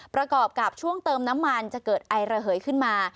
ประกอบกับช่วงเติมน้ำมันจะเกิดไอระเหยขึ้นมา